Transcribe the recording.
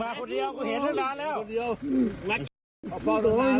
มาคนเดียวกูเห็นเท่านั้นแล้วคนเดียวเอาพ่อดูก่อนแล้ว